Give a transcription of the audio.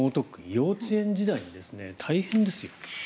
幼稚園時代に大変ですよ